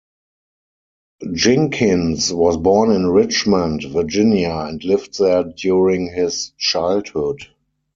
Jinkins was born in Richmond, Virginia, and lived there during his childhood.